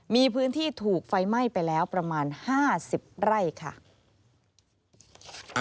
มีพื้นที่ถูกไฟไหม้ไปแล้วประมาณ๕๐ไร่ค่ะ